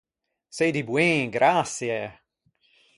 Sei di boin, graçie!